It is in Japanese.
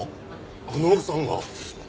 あの奥さんが？